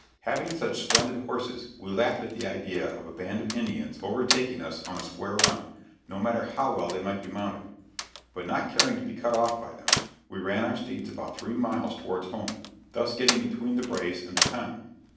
Having such splendid horses, we laughed at the idea of a band of Indians overtaking us on a square run, no matter how well they might be mounted; but not caring to be cut off by them, we ran our steeds about three miles towards home, thus getting between the braves and the town.